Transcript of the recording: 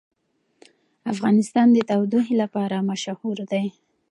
افغانستان د تودوخه لپاره مشهور دی.